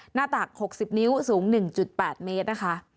หน้าตัก๖๐นิ้วสูง๑๘เมตรนะคะ